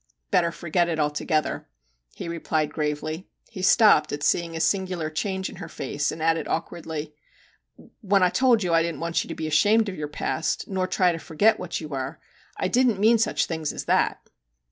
'Better forget it altogether,' he replied gravely. He stopped at seeing a singular change in her face, and added awkwardly, 'When I told you I didn't want you to be ashamed of your past, nor to try to forget what you were, I didn't mean such things as that